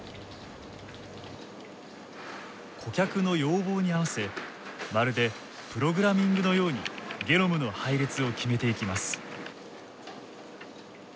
顧客の要望に合わせまるでプログラミングのようにゲノムの配列を決めていきます。